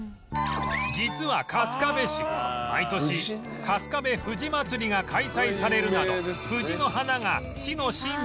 実は春日部市毎年春日部藤まつりが開催されるなど藤の花が市のシンボル